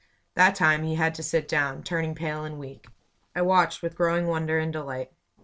That time he had to sit down, turning pale and weak. I watched with growing wonder and delight.